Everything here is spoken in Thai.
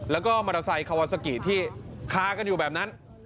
แล้วก็มอเตอร์ไซค์คาวาซากิที่คากันอยู่แบบนั้น